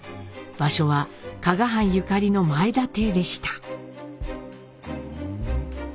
場所は加賀藩ゆかりの前田邸でした。